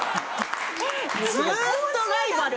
ずっとライバル！